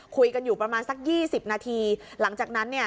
คุยกันอยู่ประมาณสักยี่สิบนาทีหลังจากนั้นเนี่ย